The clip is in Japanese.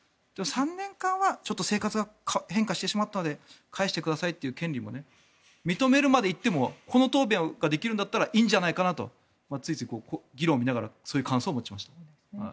３年間は、ちょっと生活が変化してしまったので返してくださいという権利も認めるまで行ってもこの答弁ができるんだったらいいんじゃないかとついつい議論を見ながらそういう感想を持ちました。